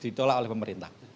ditaulak oleh pemerintah